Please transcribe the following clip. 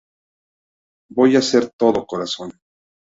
Voy a ser todo corazón.